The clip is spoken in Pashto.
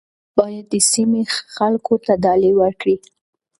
تاسي باید د سیمې خلکو ته ډالۍ ورکړئ.